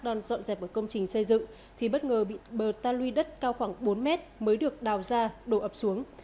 đang dọn dẹp một công trình xây dựng thì bất ngờ bị bờ ta lui đất cao khoảng bốn mét mới được đào ra đổ ập xuống